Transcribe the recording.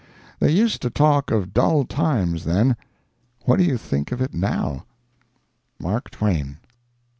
They used to talk of dull times then. What do they think of it now? MARK TWAIN.